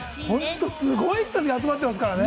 すごい人たちが集まっていますからね。